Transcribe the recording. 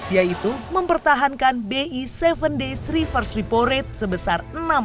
yaitu mempertahankan bi tujuh days reverse repo rate sebesar